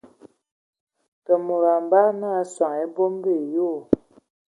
Te mod a ambada nə soŋ e abombo e yoo.